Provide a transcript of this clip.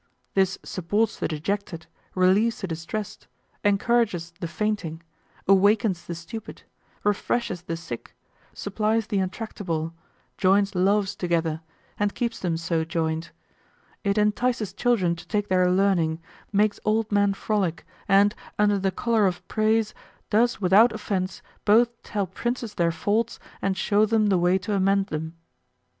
This supports the dejected, relieves the distressed, encourages the fainting, awakens the stupid, refreshes the sick, supplies the untractable, joins loves together, and keeps them so joined. It entices children to take their learning, makes old men frolic, and, under the color of praise, does without offense both tell princes their faults and show them the way to amend them.